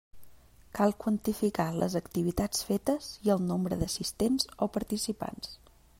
Cal quantificar les activitats fetes i el nombre d'assistents o participants.